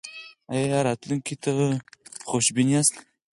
ایا راتلونکي ته خوشبین یاست؟